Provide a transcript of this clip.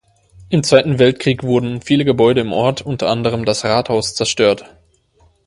Im Zweiten Weltkrieg wurden viele Gebäude im Ort, unter anderem das Rathaus, zerstört.